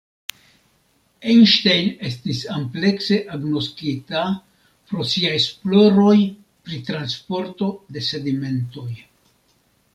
Einstein estis amplekse agnoskita pro sia esploroj pri transporto de sedimentoj.